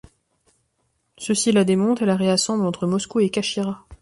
Ceux-ci la démonte et la réassemble entre Moscou et Kachira.